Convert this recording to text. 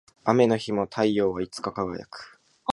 雨の日も太陽はいつか輝く